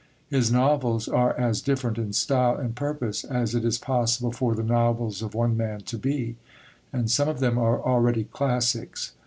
His novels are as different in style and purpose as it is possible for the novels of one man to be; and some of them are already classics.